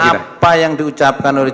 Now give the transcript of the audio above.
apa yang diucapkan oleh